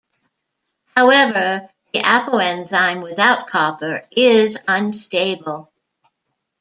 However, the apoenzyme without copper is unstable.